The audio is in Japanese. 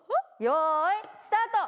よいスタート！